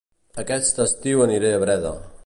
Aquest estiu aniré a Breda